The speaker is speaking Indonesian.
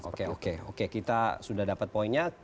oke oke kita sudah dapat poinnya